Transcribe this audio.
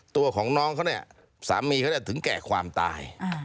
ตัวของน้องเขาสามีเขาได้ถึงแก่ความตาย